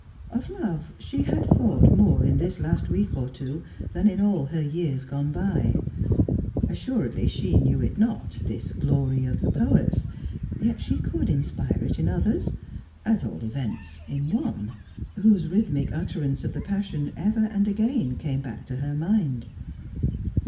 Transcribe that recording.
Of love, she had thought more in this last week or two than in all her years gone by. Assuredly, she knew it not, this glory of the poets. Yet she could inspire it in others; at all events, in one, whose rhythmic utterance of the passion ever and again came back to her mind.